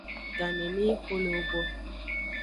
Ganeneyi xo le ewo gbo.